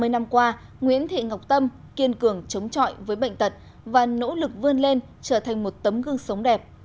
ba mươi năm qua nguyễn thị ngọc tâm kiên cường chống chọi với bệnh tật và nỗ lực vươn lên trở thành một tấm gương sống đẹp